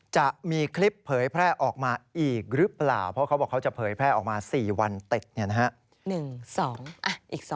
จะมีคลิปเผยแพร่ออกมาอีกหรือเปล่าเพราะเค้าบอกเค้าจะเผยแพร่ออกมา๔วันเต็ก